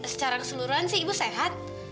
secara keseluruhan sih ibu sehat